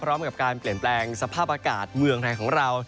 พร้อมกับการเปลี่ยนแปลงสภาพอากาศเมืองไทยของเรา